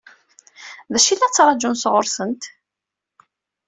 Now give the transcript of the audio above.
D acu i la ttṛaǧun sɣur-sent?